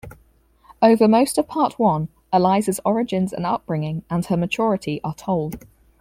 Over most of Part One, Eliza's origins and upbringing, and her maturity are told.